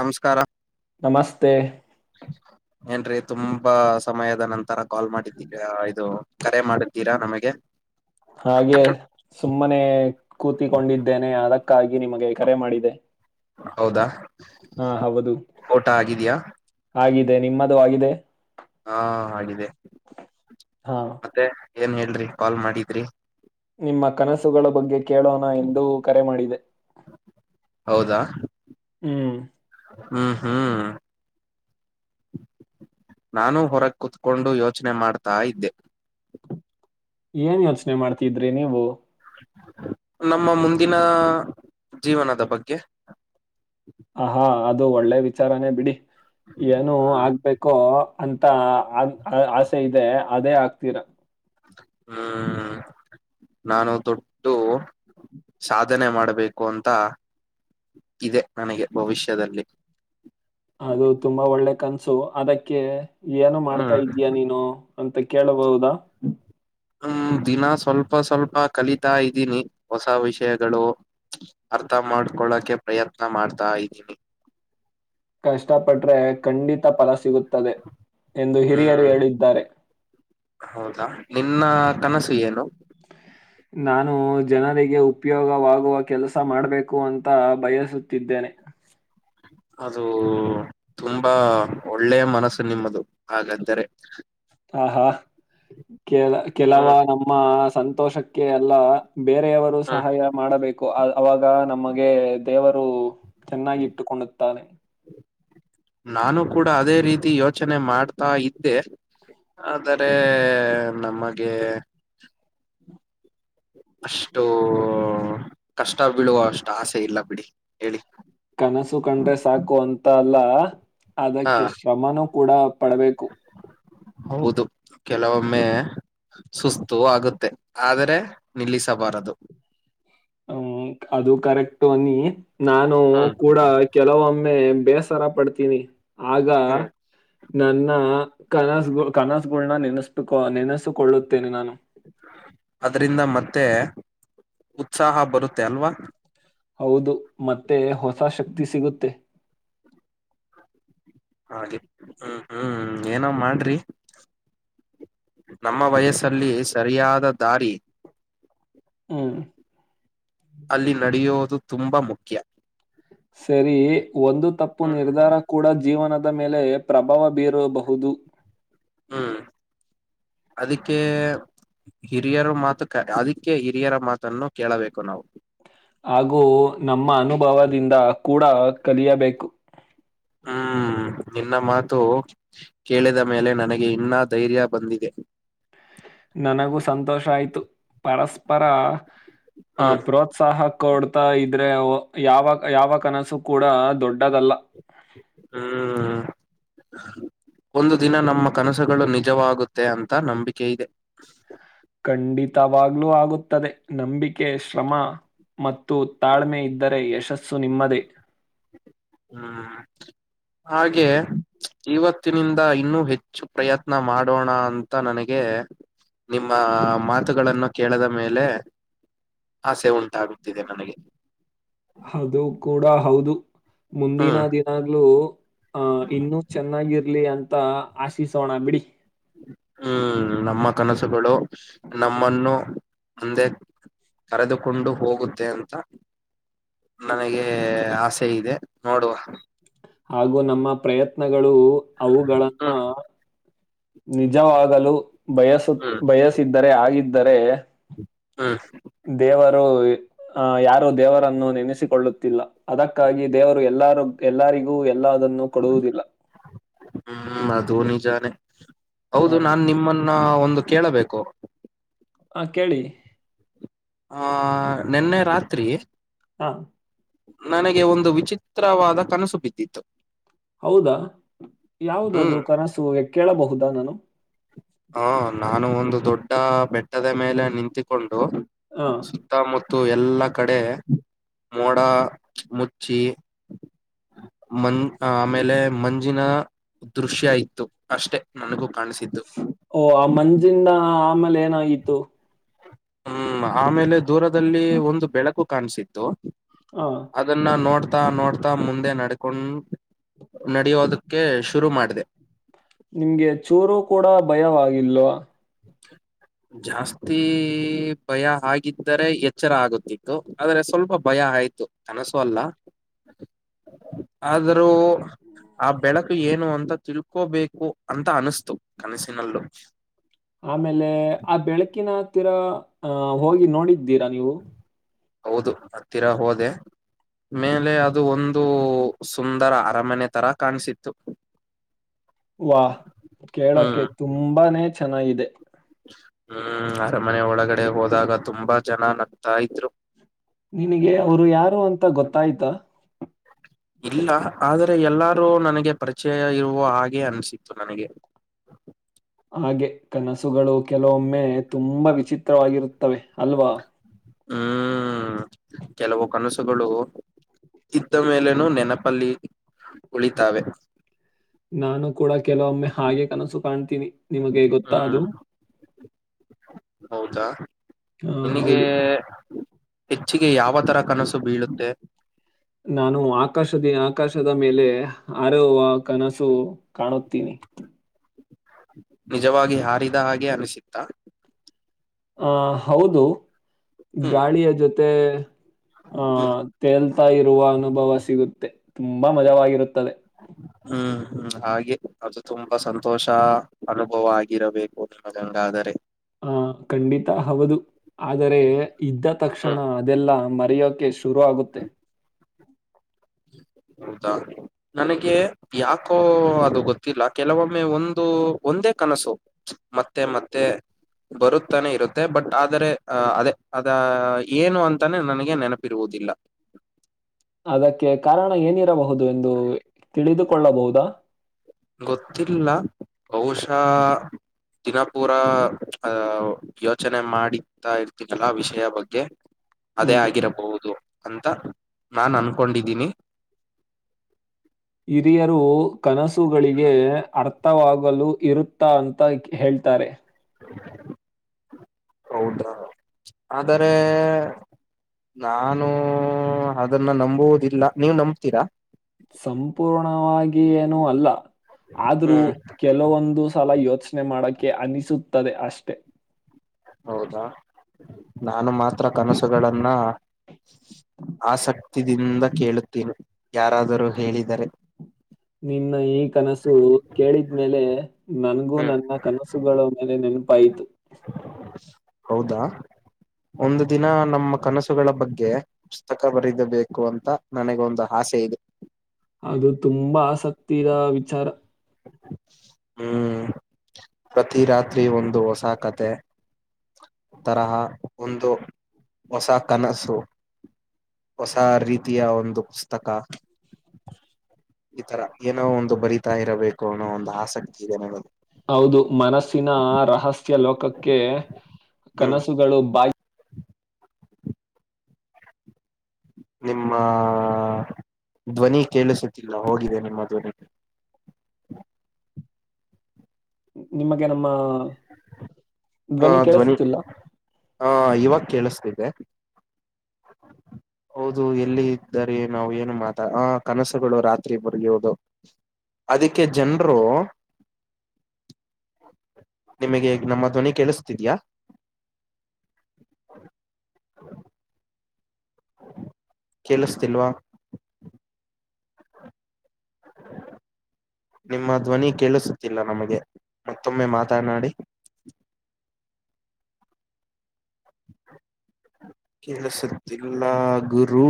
ನಮಸ್ಕಾರ ನಮಸ್ತೆ ಏನ್ರೀ ತುಂಬಾ ಸಮಯದ ನಂತರ ಕಾಲ್ ಮಾಡಿದ್ದೀವಿ ಇದು ಕರೆ ಮಾಡತೀರಾ ನಮಗೆ ಹಾಗೆ ಸುಮ್ಮನೆ ಕೂತಿಕೊಂಡಿದ್ದೇನೆ ಅದಕ್ ಅಕ್ಕಾಗಿ ನಿಮಗೆ ಕರೆ ಮಾಡಿದೆ ಹೌದಾ ಹಾ ಹೌದು ಊಟ ಆಗಿದ್ಯಾ ಆಗಿದೆ ನಿಮ್ಮದು ಆಗಿದೆ ಹಾ ಹಾಗಿದೆ ಹಾ ಮತ್ತೆ ಏನ್ ಹೇಳ್ರಿ ಕಾಲ್ ಮಾಡಿದ್ರಿ ನಿಮ್ಮ ಕನಸುಗಳ ಬಗ್ಗೆ ಕೇಳೋಣ ಎಂದು ಕರೆ ಮಾಡಿದೆ ಹೌದಾ ಹ್ಮ್ ಹ್ಮ್ ಹ್ಮ್ [inaudible] ನಾನೂ ಹೊರ ಕೂತ್ಕೊಂಡು ಯೋಚನೆ ಮಾಡ್ತಾ ಇದ್ದೆ ಏನ್ ಯೋಚನೆ ಮಾಡ್ತಿದ್ರಿ ನೀವು ನಮ್ಮ ಮುಂದಿನ ಜೀವನದ ಬಗ್ಗೆ ಹ ಹಾ ಅದು ಒಳ್ಳೆ ವಿಚಾರಾನೇ ಬಿಡಿ ಏನು ಹ್ಮ್ ಆಗ್ಬೇಕೋ ಅಂತ ಅ ಆಸೆ ಇದೆ ಅದೇ ಆಗ್ತೀರ ಹ್ಮ್ ನಾನು ದೊಡ್ಟ್ಟು ಸಾಧನೆ ಮಾಡ್ಬೇಕು ಅಂತ ಇದೆ ನನಗೆ ಭವಿಷ್ಯದಲ್ಲಿ ಅದು ತುಂಬಾ ಒಳ್ಳೆ ಕನ್ಸು ಅದಕ್ಕೆ ಏನು ಮಾಡ್ತಾ ಹ್ಮ್ ಇದಯ ನೀನು ಅಂತ ಕೇಳಬಹುದಾ ಹ್ಮ ದಿನ ಸ್ವಲ್ಪ ಸ್ವಲ್ಪ ಕಲಿತಾ ಇದ್ದೀನಿ ಹೊಸ ವಿಷಯಗಳು ಅರ್ಥ ಮಾಡ್ಕೊಳಕೆ ಪ್ರಯತ್ನ ಮಾಡ್ತಾ ಇದ್ದೀನಿ ಕಷ್ಟ ಪಟ್ರೆ ಖಂಡಿತ ಫಲ ಸಿಗುತ್ತೆ ಎಂದು ಹಿರಿಯರು ಹ್ಮ್ ಹೇಳಿದ್ದಾರೆ ಹೌದಾ ನಿನ್ನ ಕನಸು ಏನು ನಾನು ಜನರಿಗೆ ಉಪಯೋಗವಾಗುವ ಕೆಲಸ ಮಾಡಬೇಕು ಅಂತ ಬಯಸುತ್ತಿದ್ದೇನೆ ಅದು ತುಂಬಾ ಒಳ್ಳೆಯ ಮನಸ್ಸು ನಿಮ್ಮದು ಹಾಗಾದರೆ ಹ ಹಾ ಕೆಲ ಕೆಲವ ಹ್ಮ್ ನಮ್ಮ ಸಂತೋಷ ಕೆ ಎಲ್ಲ ಬೇರೆಯವರು ಹ್ಮ್ ಸಹಾಯ ಮಾಡಬೇಕು ು ಅವಾಗ ನಮಗೆ ದೇವರು ಚೆನ್ನಾಗಿ ಇಟ್ಟುಕೊಂಡುತ್ತಾನೆ ನಾನು ಕೂಡ ಅದೇ ರೀತಿ ಯೋಚನೆ ಮಾಡ್ತಾ ಇದ್ದೆ ಆದರೆ ನಮಗೆ ಅಷ್ಟು ಕಷ್ಟ ಬೀಳುವ ಅಷ್ಟು ಆಸೆ ಇಲ್ಲ ಬಿಡಿ ಹೇಳಿ ಕನಸು ಕಂಡ್ರೆ ಸಾಕು ಅಂತ ಅಲ್ಲ ಹಾ ಅದಕ್ಕೆ ಶ್ರಮನೂ ಕೂಡ ಪಡಬೇಕು ಹೌದು ಕೆಲವೊಮ್ಮೆ ಸುಸ್ತು ಆಗುತ್ತೆ ಆದರೆ ನಿಲ್ಲಿಸಬಾರದು ಹ್ಮ ಅದು ಕರೆಕ್ಟ್ ಅನ್ನಿ ನಾನು ಹ್ಮ್ ಕೂಡ ಕೆಲವೊಮ್ಮೆ ೆ ಬೇಸರ ಪಡ್ತೀನಿ ಆಗ ಹ್ಮ್ ನನ್ನ ಕನಸು ಕನಸುಗಳನ್ನ ನೆನೆಸ್ ನೆನೆಸಕೊಳ್ಳುತ್ತೇನೆ ನಾನು ಅದ್ರಿಂದ ಮತ್ತೆ ಉತ್ಸಾಹ ಬರುತ್ತೆ ಅಲ್ವಾ ಹೌದು ಮತ್ತೆ ಹೊಸ ಶಕ್ತಿ ಸಿಗುತ್ತೆ ಹಾಗೆ ಹ್ಮ್ ಹ್ಮ್ ಏನ ಮಾಡ್ರಿ ನಮ್ಮ ವಯಸ್ಸಲ್ಲಿ ಸರಿಯಾದ ದಾರಿ ಹ್ಮ್ ಅಲ್ಲಿ ನಡೆಯುವುದು ತುಂಬಾ ಮುಖ್ಯ ಸರಿ ಒಂದು ತಪ್ಪು ನಿರ್ಧಾರ ಕೂಡ ಜೀವನದ ಆದ ಮೇಲೆ ಪ್ರಭಾವ ಬೀರಬಹುದು ಹ್ಮ್ ಅದಕ್ಕೆ ಹಿರಿಯರ ಮಾತು ಕ ಅದಕ್ಕೆ ಹಿರಿಯರ ಮಾತನ್ನು ಕೇಳಬೇಕು ನಾವು ಹಾಗೂ ನಮ್ಮ ಅನುಭವದಿಂದ ಕೂಡ ಕಲಿಯಬೇಕು. ಹ್ಮ್ ನಿನ್ನ ಮಾತು ಕೇಳಿದ ಮೇಲೆ ನನಗೆ ಇನ್ನ ಧೈರ್ಯ ಬಂದಿದೆ. ನನಗೂ ಸಂತೋಷ ಆಯ್ತು ಪರಸ್ಪರ ಆ ಹ್ಮ್ ಪ್ರೋತ್ಸಾಹ ಕೊಡ್ತಾ ಇದ್ರೆ ಯಾವಾಗ ಯಾವ ಕನಸು ಕೂಡ ದೊಡ್ಡದಲ್ಲ ಹ್ಮ ಒಂದು ದಿನ ನಮ್ಮ ಕನಸುಗಳು ನಿಜವಾಗುತ್ತೆ ಅಂತ ನಂಬಿಕೆ ಇದೆ. ಖಂಡಿತವಾಗ್ಲೂ ಆಗುತ್ತದೆ ನಂಬಿಕೆ ಶ್ರಮ ಮತ್ತು ತಾಳ್ಮೆ ಇದ್ದರೆ ಯಶಸ್ಸು ನಿಮ್ಮದೇ ಹ್ಮ್ ಹಾಗೆ ಇವತ್ತು. ತ್ತಿನಿಂದ ಇನ್ನೂ ಹೆಚ್ಚು ಪ್ರಯತ್ನ ಮಾಡೋಣ ಅಂತ ನನಗೆ ನಿಮ್ಮ ಮಾತುಗಳನ್ನು ಕೇಳದ ಮೇಲೆ ಆಸೆ ಉಂಟಾಗುತ್ತಿದೆ ನನಗೆ ಹದು ಕೂಡ ಹೌದು ಹ್ಮ್ ಮುಂದಿನ ದಿನಾಗ್ಲುೂ ಆ ಇನ್ನುೂ ಚೆನ್ನಾಗಿರ್ಲಿ ಅಂತ ಆಶಿಸೋಣ ಬಿಡಿ ಹ್ಮ್ ನಮ್ಮ ಕನಸುಗಳು ನಮ್ಮನ್ನು ಒಂದೆ ಕರೆದುಕೊಂಡು ಹೋಗುತ್ತೆ ಅಂತ ನನಗೆ ಆಸೆ ಇದೆ ನೋಡುವ ಹಾಗೂ ನಮ್ಮ ಪ್ರಯತ್ನಗಳು ಅವುಗಳಗಳನ್ನು ಹ್ಮ್ ನಿಜವಾಗಲು ಬಯಸು ಹ್ಮ್ ಬಯಸಿದ್ದರೆ ಆಗಿದ್ದರೆ ಹ್ಮ್ ದೇವ ಆ ಯಾರು ದೇವರನ್ನು ನೆನೆಸಿಕೊಳ್ಳುತ್ತಿಲ್ಲ ಅದಕ್ಕಾಗಿ ದೇವರು ಎಲ್ಲಾರೂ ಎಲ್ಲಾರಿಗೂ ಎಲ್ಲದನ್ನು ಕೊಡುವುದಿಲ್ಲ ಹ್ಮ್ ಅದು ನಿಜಾನೇ ಆ, ಹೌದು ನಾನ್ ನಿಮ್ಮನ್ನ ಒಂದು ಕೇಳಬೇಕು. ಹ ಕೇಳಿ ಆ ನಿನ್ನೆ ರಾತ್ರಿ ಹ ನನಗೆ ಒಂದು ವಿಚಿತ್ರವಾದ ಕನಸು ಬಿದ್ದಿತ್ತು. ಹೌದಾ ಹ್ಮ್ ಯಾವುದದು ಕನಸು ಕೇಳಬಹುದಾ ನಾನು ಹ ನಾನು ಒಂದು ದೊಡ್ಡ ಬೆಟ್ಟದ ಮೇಲೆ ನಿಂತಿ ಕೊಂಡು ಹಾ ಸುತ್ತಮುತ್ತ ಎಲ್ಲಾ ಕಡೆ ಮೋಡ ಚಿ ಮ ಆಮೇಲೆ ಮಂಜಿನ ದೃಶ್ಯ ಇತ್ತು ಅಷ್ಟೆ ನನಗೂ ಕಾಣಿಸಿದ್ದು ಓ ಆ ಮಂಜಿಂದ ಆಮೇಲೆ ಏನಾಗಿತ್ತು. ಹ್ಮ್ ಆಮೇಲೆ ದೂರದಲ್ಲಿ ಒಂದು ಬೆಳಕು ಕಾಣಸಿತ್ತು ಹಾ ಅದನ್ನ ನೋಡ್ ತಾ ನೋಡ್ತಾ ಮುಂದೆ ನಡ್ಕೊಂಡ ನಡಿಯೋದಕ್ಕೆ ಶುರು ಮಾಡಿದೆ. ನಿಮ್ಗೆ ಚೂರು ಕೂಡ ಭಯವಾಗಿಲ್ವಾ. ಜಾಸ್ತಿ ರಾತ್ರಿ ಭಯ ಆಗಿದ್ದರೆ ಎಚ್ಚರ ಆಗುತ್ತಿತ್ತು ಆದ್ರೆ ಸ್ವಲ್ಪ ಭಯ ಆಯ್ತು ಕನಸು ಅಲ್ಲ ಆದ್ರೂ ಆ ಬೆಳಕು ಏನು ಅಂತ ತಿಳ್ಕೋಬೇಕು ಅಂತ ಅನಿಸ್ತು ಕನಸಿನಲ್ಲೂ ಆಮೇಲೆ ಆ ಬೆಳಕಿನ ಹತ್ತಿರ ಅಹ ಹೋಗಿ ನೋಡಿದ್ದೀರಾ ನೀವು ಹೌದು ಹತ್ತಿರ ಹೋದೆ. ಮೇಲೆ ಅದು ಒಂದು ಸುಂದರ ಅರಮನೆ ತರ ಕಾಣಿಸಿತ್ತು ವಾ ಕೇಳೋಕೆ ಹ್ಮ್ ತುಂಬಾನೇ ಚೆನ್ನಾಗಿದೆ ಹ್ಮ್ ಅರಮನೆ ಒಳಗಡೆ ಹೋದಾಗ ತುಂಬಾ ಜನ ನಗ್ತಾ ಇದ್ರು ನಿನಗೆ ಅವರು ಯಾರು ಅಂತ ಗೊತ್ತಾಯ್ತ. ಇಲ್ಲ ಆದರೆ ಎಲ್ಲಾರೂ ನನಗೆ ಪರಿಚಯ ಇರುವ ಹಾಗೆ ಅನಿಸಿತ್ತು ನನಗೆ ಹಾಗೆ ಕನಸುಗಳು ಕೆಲವೊಮ್ಮೆ ತುಂಬಾ ವಿಚಿತ್ರವಾಗಿರುತ್ತವೆ ಅಲ್ವಾ. ಹ್ಮ್ [inaudible] ಕೆಲವು ಕನಸುಗಳು ಇದ್ದ ಮೇಲೇನೂ ನೆನಪಲ್ಲಿ ಉಳಿತಾವೆ. ನಾನು ಕೂಡ ಕೆಲವೊಮ್ಮೆ ಹಾಗೆ ಕನಸು ಕಾಣ್ತೀನಿ ನಿಮಗೆ ಗೊತ್ತಾ ಹ್ಮ್ ಅದು ಹೌದಾ ಹಾ ನಿನಗೆ ಹೌದು ಹೆಚ್ಚಿಗೆ ಯಾವ ತ್ತರ ಕನಸು ಬೀಳುತ್ತೆ. ನಾನು ಆಕಾಶದ ಆಕಾಶದ ಮೇಲೆ ಹಾರುವ ಕನಸು ಕಾಣುತ್ತೀನಿ. ನಿಜವಾಗಿ ಹಾರಿದ ಹಾಗೆ ಅನಿಸಿತ್ತ ಆ ಹೌದು ಹ್ಮ್ ಗಾಳಿಯ ಜೊತೆ ಆಹ ಹ್ಮ್ ತೇಲ್ತಾ ಇರುವ ಅನುಭವ ಸಿಗುತ್ತೆ ತುಂಬಾ ಮಜವಾಗಿರುತ್ತದೆ ಹ್ಮ ಹ್ಮ ಹಾಗೆ ಅದು ತುಂಬಾ ಸಂತೋಷ ಅನು ಭವಾಗಿರಬೇಕು ಅದೊಂದ ಆದರೆ ಹ ಖಂಡಿತ ಹೌದು ಆದರೆ ಇದ್ದ ತಕ್ಷಣ ಹ್ಮ್ ಅದೆಲ್ಲಾ ಮ ಪಡೆಯೋಕೆ ಶುರು ಆಗುತ್ತೆ. ಹೌದಾ. ನನಗೆ ಯಾಕೋ ಅದು ಗೊತ್ತಿಲ್ಲ ಕೆಲವೊಮ್ಮೆ ಒಂದು ಒಂದೇ ಕನಸು ಮತ್ತೆ ಮತ್ತೆ ಬರುತ್ತಾನೆ ಇರುತ್ತೆ ಬಟ್ ಆದರೆ ಅ ಅದೇ ಅದ ಏನು ಅಂತಾನೆ ನನಗೆ ನೆನಪಿರುವು ಜಿಲ್ಲಾ ಅದಕ್ಕೆ ಕಾರಣ ಏನಿರಬಹುದು ಎಂದು ತಿಳಿದುಕೊಳ್ಳಬಹುದಾ. ಗೊತ್ತಿಲ್ಲ ಬಹುಶ ದಿನಪೂರ ಅ ಯೋಚನೆ ಮಾಡಿತಾ ಇರ್ತನಲ್ಲ ವಿಷಯ ಬಗ್ಗೆ ಅದೇ ಹ್ಮ್. ಆಗಿರಬಹುದು. ಅಂತ ನಾನ ಅನ್ಕೊಂಡಿದ್ದೀನಿ. ಹಿರಿಯರು ಕನಸುಗಳಿಗೆ ಅರ್ ವಾಗಲು ಇರುತ್ತಾ ಅಂತ ಹೇಳ್ತಾರೆ. ಹೌದಾ ಆದರೆ ನಾನು ಅದನ್ನ ನಂಬುವುದಿಲ್ಲ ನೀವ್ ನಂಬತೀರಾ. ಸಂಪೂರ್ಣವಾಗ ಏನೂ ಅಲ್ಲ. ಆದ್ರೂ ಕೆಲವೊಂದು ಸಲ ಯೋಚನೆ ಮಾಡಕೆ ಅನಿಸುತ್ತದೆ ಅಷ್ಟೆ. ಹೌದಾ ನಾನು ಮಾತ್ರ ಕನಸುಗಳನ್ನ ಆಸಕ್ತಿದಿಂದ ಕೇಳತಿನಿ ಯಾರಾದರೂ ಹೇಳಿದರೆ ನಿನ್ನ ಈ ಕನಸು ಕೇಳಿದ್ಮೇಲೆ ನನ್ಗೂ ನನ್ನ ಕನಸುಗಳ ಮೇಲೆ ನೆನಪಾಯ್ತು. ಹೌದಾ ಒಂದು ದಿನ ನಮ್ಮ ಕನಸುಗಳ ಬಗ್ಗೆ ಪುಸ್ತಕ ಬರಿದಬೇಕು ಅಂತ ನನಗ ಒಂದು ಆಸೆ ಇದೆ. ಅದು ತುಂಬಾ ಆಸಕ್ತಿಯ ವಿಚಾರ. ಹ್ಮ ಪ್ರತಿ ರಾತ್ರಿ ಒಂದು ಹೊಸ ಕತೆ. ತರಹ ಒಂದು ಹೊಸ ಕನಸು. ಹೊಸ ರೀತಿಯ ಒಂದು ಪುಸ್ತಕ. ಈ ತರ ಏನೋ ಒಂದು ಬರಿತಾ ಇರಬೇಕು ಅನ್ನೋ ಒಂದು ಆಸಕ್ತಿ ಇದೆ ನನಗೆ ಹೌದು ಮನಸ್ಸಿನ ರಹಸ್ಯ ಲೋಕಕ್ಕೆ ಹ್ಮ್ ಕನಸುಗಳು ಬಾ ನಿಮ್ಮ ಧ್ವನಿ ಕೇಳಿಸುತ್ತಿಲ್ಲ ಹೋಗಿದೆ ನಿಮ್ಮ ಧ್ವನಿ [inaudible] ನಿಮಗೆ ನಮ್ಮ ಹ ಧ್ವನಿ ಹ ಇವಾಗ ಕೇಳಿಸ್ತಿದೆ. [inaudible] ಹೌದು ಎಲ್ಲಿ ಇದ್ದರೆ ನಾವ್ ಏನು ಮಾತ ಆ ಕನಸುಗಳು ರಾತ್ರಿ ಬರ್ಗಿ ಹೋದು ಅದಕ್ಕೆ ಜನರು ಹ [inaudible] ನಿಮಗೆ ನಮ್ಮ ಧ್ವನಿ ಕೇಳಿಸ್ತಿದ್ಯಾ. ಹ [inaudible] ಕೇಳಿಸ್ತಿಲ್ವಾ. ಹ [inaudible] ನಿಮ್ಮ ಧ್ವನಿ ಕೇಳಿಸುತ್ತಿಲ್ಲ ನಮಗೆ ಮತ್ತೊಮ್ಮೆ ಮಾತನಾಡಿ [unintelligible] ಹ [unintelligible] ಕೇಳಿಸುತ್ತಿಲ್ಲ ಗುರೂ